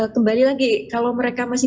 kembali lagi kalau mereka masih